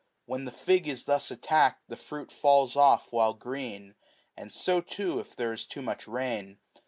When the fig is thus attacked, the fruit falls off while green ; and so, too, if there is too much rain.